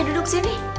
eh duduk sini